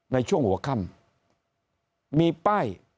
ในช่วงหัวค่ำมีป้าย